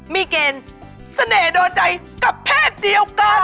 มีเกณฑ์เสน่ห์โดนใจกับเพศเดียวกัน